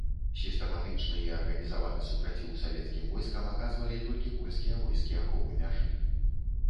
Сістэматычны і арганізаваны супраціў савецкім войскам аказвалі толькі польскія войскі аховы мяжы.